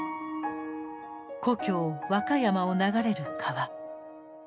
故郷和歌山を流れる川。